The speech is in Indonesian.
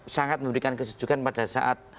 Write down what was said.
sangat memberikan kesejukan pada saat